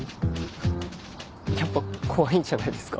フフフやっぱ怖いんじゃないですか。